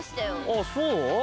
ああそう？